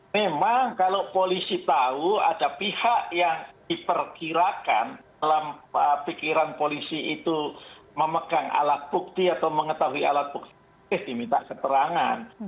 memang kalau polisi tahu ada pihak yang diperkirakan dalam pikiran polisi itu memegang alat bukti atau mengetahui alat bukti diminta keterangan